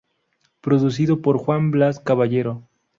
Producido por Juan Blas Caballero.